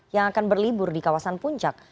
yang akan berlibur di kawasan puncak